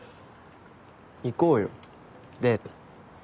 行こうよデート。